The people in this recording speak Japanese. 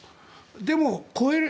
でも、超える。